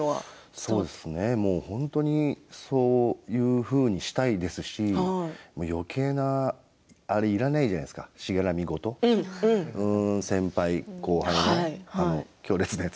そうですね、本当にそういうふうにしたいですしよけいなあれはいらないじゃないですかしがらみ事、先輩後輩の。